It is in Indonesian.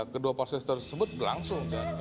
kedua proses tersebut langsung